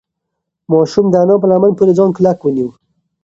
ماشوم د انا په لمن پورې ځان کلک ونیو.